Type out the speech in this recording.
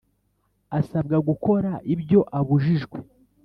asabwa gukora ibyo abujijwe